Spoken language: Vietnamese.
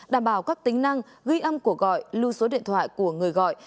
đảm bảo các tính năng ghi âm cuộc gọi lưu số điện thoại của người gọi